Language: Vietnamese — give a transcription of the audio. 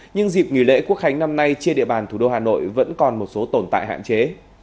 nhưng dịp nghỉ lễ quốc khánh năm nay trên địa bàn thủ đô hà nội vẫn còn một số tồn tại hạn chế